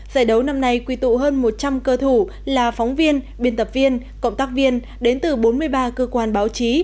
giải đấu năm nay quy tụ hơn một trăm linh cơ thủ là phóng viên biên tập viên cộng tác viên đến từ bốn mươi ba cơ quan báo chí